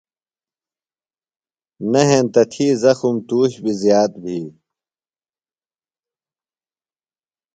نہ ہینتہ تھی زخم تُوش بیۡ زِیات بھی۔